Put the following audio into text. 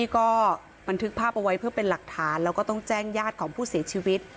ก็บันทึกภาพเอาไว้เพื่อเป็นหลักฐานแล้วก็ต้องแจ้งญาติของผู้เสียชีวิต